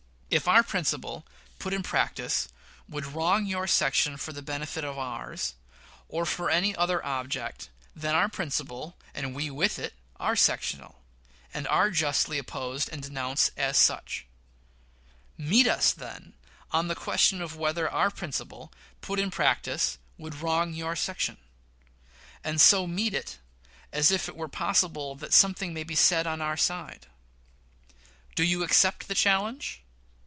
If our principle, put in practice, would wrong your section for the benefit of ours, or for any other object, then our principle, and we with it, are sectional, and are justly opposed and denounced as such. Meet us, then, on the question of whether our principle, put in practice, would wrong your section; and so meet us as if it were possible that something may be said on our side. Do you accept the challenge?